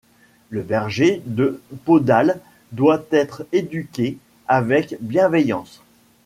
Le berger de Podhale doit être éduqué avec bienveillance.